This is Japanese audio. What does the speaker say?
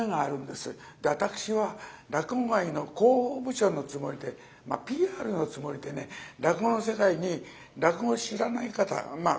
私は落語界の広報部長のつもりでＰＲのつもりでね落語の世界に落語を知らない方まあ